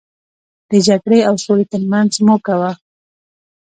د جګړې او سولې ترمنځ موکه وه.